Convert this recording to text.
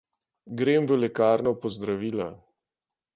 Grem v lekarno po zdravila.